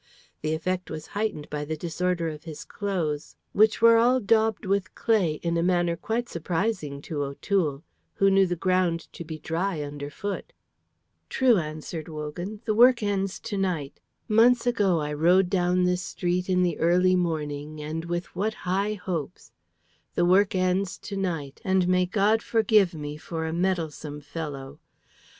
The effect was heightened by the disorder of his clothes, which were all daubed with clay in a manner quite surprising to O'Toole, who knew the ground to be dry underfoot. "True," answered Wogan, "the work ends to night. Months ago I rode down this street in the early morning, and with what high hopes! The work ends to night, and may God forgive me for a meddlesome fellow.